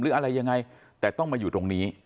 หรืออะไรยังไงแต่ต้องมาอยู่ตรงนี้